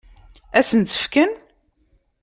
Ad sen-tt-fken?